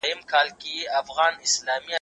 په دې ناول کي رنګينۍ ډېرې دي.